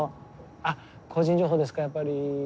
あ個人情報ですかやっぱり。